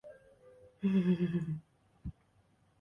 台湾独活为伞形科当归属祁白芷的变种。